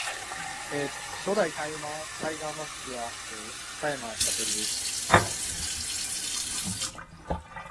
Much of the film was shot at Occidental College.